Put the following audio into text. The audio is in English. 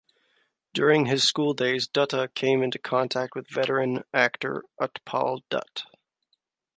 During his school days Dutta came into contact with veteran actor Utpal Dutt.